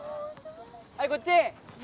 はいこっち！